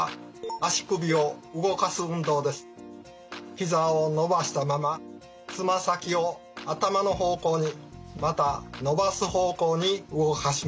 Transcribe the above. ひざを伸ばしたままつま先を頭の方向にまた伸ばす方向に動かします。